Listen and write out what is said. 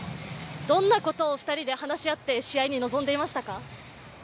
どんなことをお二人で話し合って試合に臨んでいましたか？